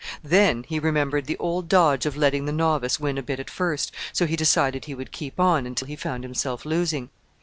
Then he remembered the old dodge of letting the novice win a bit at first, so he decided he would keep on until he found himself losing.